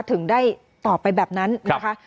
ถึงได้ตอบไปแบบนั้นนะคะ